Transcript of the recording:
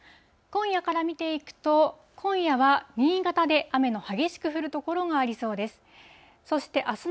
今夜から見ていくと、今夜は新潟で雨の激しく降る所がありそうです。